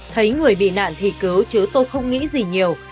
thấy người bị nạn thì cứu chứ tôi không nghĩ gì nhiều